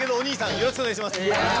よろしくお願いします。